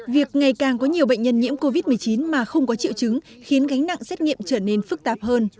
việc ngày càng có nhiều bệnh nhân nhiễm covid một mươi chín mà không có triệu chứng khiến gánh nặng xét nghiệm trở nên phức tạp hơn